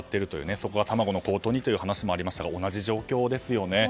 そこが卵の高騰にという話もありましたが同じ状況ですよね。